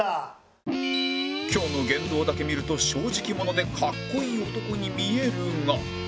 今日の言動だけ見ると正直者でかっこいい男に見えるが